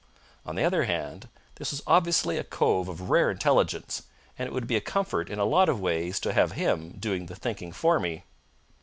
On the other hand, this was obviously a cove of rare intelligence, and it would be a comfort in a lot of ways to have him doing the thinking for me.